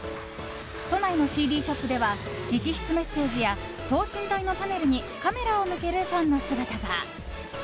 都内のＣＤショップでは直筆メッセージや等身大のパネルにカメラを向けるファンの姿が。